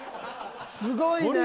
すごいね。